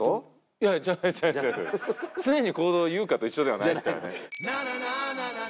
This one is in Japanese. いやいや常に行動を優香と一緒ではないですからね